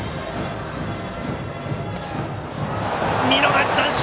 見逃し三振！